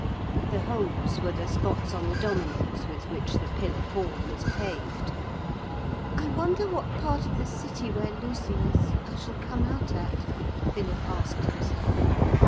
The holes were the spots on the dominoes with which the pillared hall was paved. 'I wonder what part of the city where Lucy is I shall come out at?' Philip asked himself.